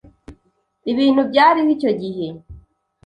ibintu byariho icyo gihe